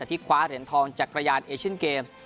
ที่คว้าเหรียญทองจักรยานเอเชียนเกมส์